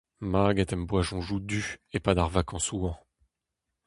Maget em boa soñjoù du e-pad ar vakañsoù-hañv.